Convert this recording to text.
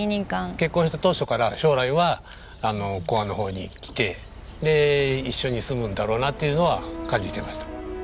結婚した当初から将来は古河の方に来て一緒に住むんだろうなというのは感じてました。